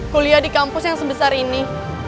kuliah di kampus yang sebesar ini